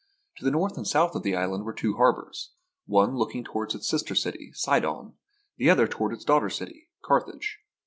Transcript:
To the north and south of the island were two harbors, one looking toward its sister city, Sidon, the other to ward its daughter city, Carthage.